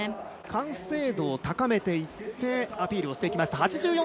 完成度を高めていってアピールをしていきました。